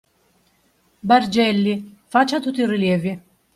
Bargelli, faccia tutti i rilievi.